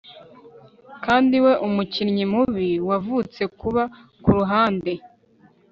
kandi we, umukinnyi mubi, wavutse kuba kuruhande